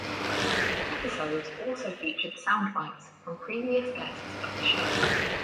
The episodes also featured soundbites from previous guests of the show.